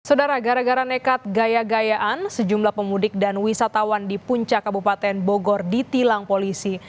saudara gara gara nekat gaya gayaan sejumlah pemudik dan wisatawan di puncak kabupaten bogor ditilang polisi